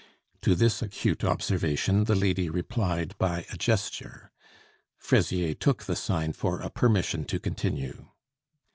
To this acute observation the lady replied by a gesture. Fraisier took the sign for a permission to continue.